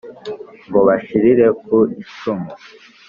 ngo bashirire ku icumu.